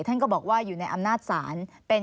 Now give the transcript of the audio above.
ท่านก็บอกว่าอยู่ในอำนาจศาล